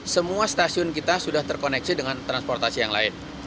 semua stasiun kita sudah terkoneksi dengan transportasi yang lain